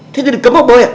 thế thì đừng cấm học bơi à